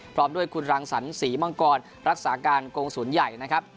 พร้อมด้วยคุณรังสรรศรีมังกรรักษาการกงศูนย์ใหญ่นะครับ